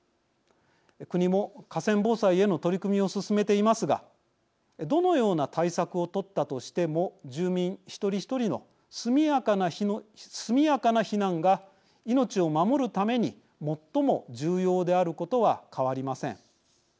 国も河川防災への取り組みを進めていますがどのような対策を取ったとしても住民一人一人の速やかな避難が命を守るために最も重要であることは変わりません。